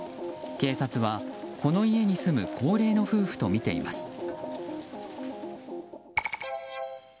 警察は、この家に住む高齢の夫婦とみています。